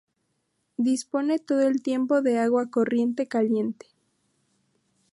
Dispone todo el tiempo de agua corriente caliente.